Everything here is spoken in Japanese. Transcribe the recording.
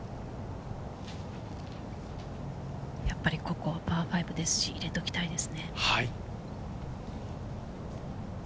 やっぱりここはパー５ですし、入れておきたいですね。